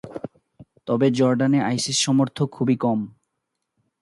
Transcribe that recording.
তবে জর্ডানে আইসিস সমর্থক খুবই কম।